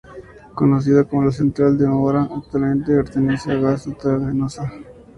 Conocida como La Central de Mora, actualmente pertenece a Gas Natural Fenosa.